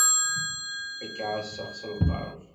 Ad k-ɛasseɣ s lqerb.